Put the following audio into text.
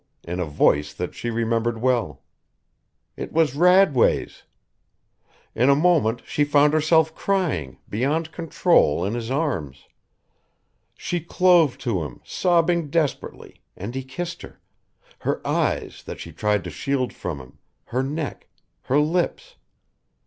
in a voice that she remembered well. It was Radway's. In a moment she found herself crying, beyond control, in his arms. She clove to him, sobbing desperately, and he kissed her, her eyes, that she tried to shield from him, her neck, her lips.